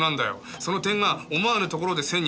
その点が思わぬところで線になる。